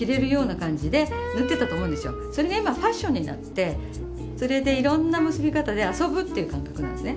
それが今ファッションになってそれでいろんな結び方で遊ぶっていう感覚なんですね。